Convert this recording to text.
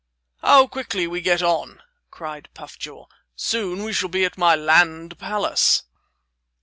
"How quickly we get on," cried Puff Jaw; "soon we shall be at my land palace."